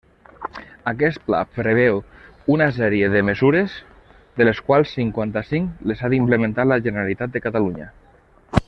Aquest pla preveu una sèrie de mesures, de les quals cinquanta-cinc les ha d'implementar la Generalitat de Catalunya.